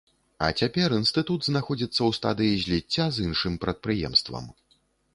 А цяпер інстытут знаходзіцца ў стадыі зліцця з іншым прадпрыемствам.